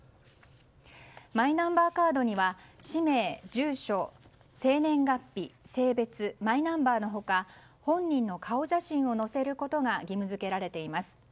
マイナンバーカードには氏名、住所、生年月日性別、マイナンバーの他本人の顔写真を載せることが義務付けられています。